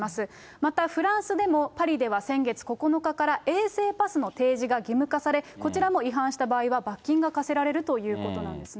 また、フランスでもパリでは先月９日から衛生パスの提示が義務化され、こちらも違反した場合は罰金が科せられるということなんですね。